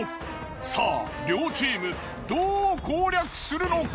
さあ両チームどう攻略するのか！？